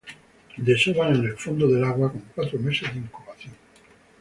Desovan en el fondo del agua, con cuatro meses de incubación.